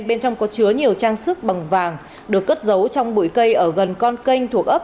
bên trong có chứa nhiều trang sức bằng vàng được cất giấu trong bụi cây ở gần con kênh thuộc ấp